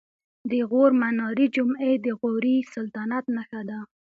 د غور منارې جمعې د غوري سلطنت نښه ده